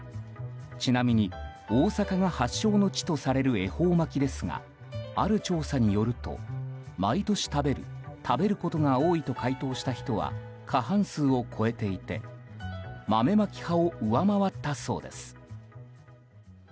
ちなみに大阪が発祥の地とされる恵方巻きですがある調査によると毎年食べる、食べることが多いと回答した人は過半数を超えていて豆まき派を上回ったそうです。